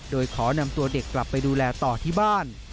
โดยขอนำตัวเด็กกลับไปดูแลต่อที่บ้าน